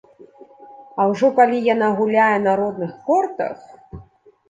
А ўжо калі яна гуляе на родных кортах!